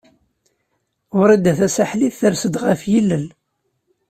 Wrida Tasaḥlit ters-d ɣef yilel.